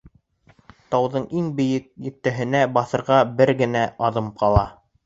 Тауҙың иң бейек нөктәһенә баҫырға бер генә аҙым ҡала.